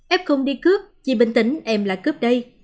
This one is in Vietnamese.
ép không đi cướp chị bình tĩnh em là cướp đây